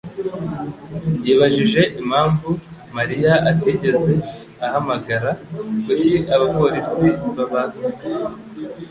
yibajije impamvu Mariya atigeze ahamagara. Kuki abapolisi babaza ?